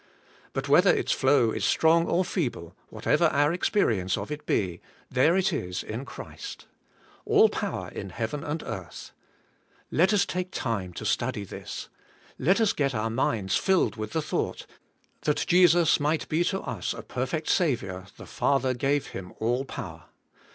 But whether its flow is strong or feeble, whatever our ex perience of it be, there it is in Christ: All power in heaven and earth. Let us take time to study this. Let us get our minds filled with the thought: That Jesus might be to us a perfect Saviour, the Father gave Him all power.